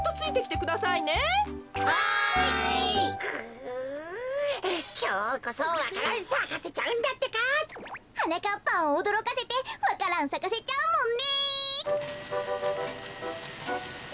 くきょうこそわか蘭さかせちゃうんだってか！はなかっぱんをおどろかせてわか蘭さかせちゃうもんね。